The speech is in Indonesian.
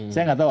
saya nggak tahu